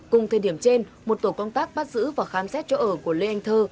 cùng thời điểm trên một tổ công tác bắt giữ và khám xét chỗ ở của lê anh thơ